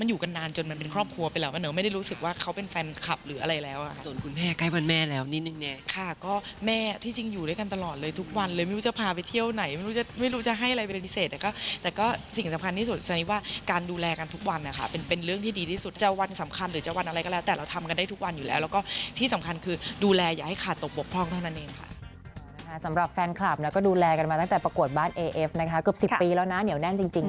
มันอยู่กันนานจนมันเป็นครอบครัวไปแล้วเมื่อไหนออกไม่ได้รู้สึกว่าเขาเป็นแฟนคลับหรืออะไรแล้ว